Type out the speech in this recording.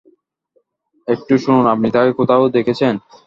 একটু শুনুন, আপনি তাকে কোথাও দেখেছেন?